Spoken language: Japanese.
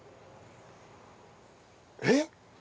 えっ？